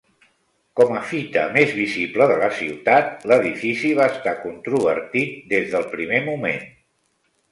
Com a fita més visible de la ciutat, l'edifici va estar controvertit des del primer moment.